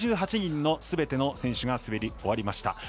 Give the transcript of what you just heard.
８８人のすべての選手が滑り終わりました。